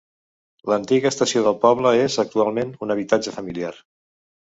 L'antiga estació del poble és, actualment, un habitatge familiar.